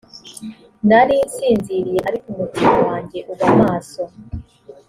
nari nsinziriye ariko umutima wanjye uba maso